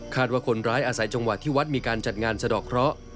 ว่าคนร้ายอาศัยจังหวะที่วัดมีการจัดงานสะดอกเคราะห์